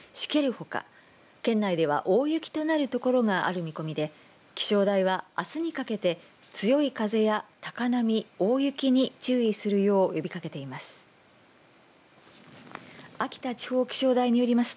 ほか県内では、大雪となる所がある見込みで気象台はあすにかけて強い風や高波、大雪に注意するよう呼びかけています。